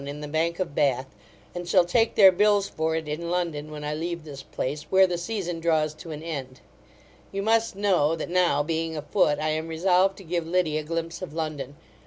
in the bank of Bath, and shall take their bills for it in London, when I leave this place, where the season draws to an end You must know, that now being a foot, I am resolved to give Liddy a glimpse of London.